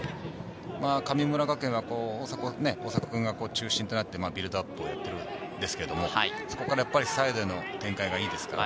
神村学園は大迫君が中心となってビルドアップをやっているんですけど、サイドへの展開がいいですからね。